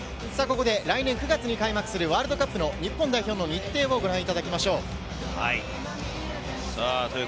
来年９月に開幕するワールドカップの日本代表の日程をご覧いただきましょう。